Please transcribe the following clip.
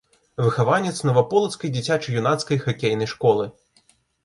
Выхаванец наваполацкай дзіцяча-юнацкай хакейнай школы.